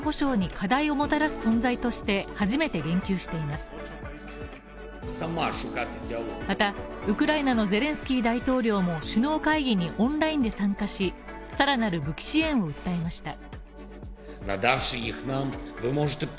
また、ウクライナのゼレンスキー大統領も首脳会議にオンラインで参加し更なる武器支援を訴えました。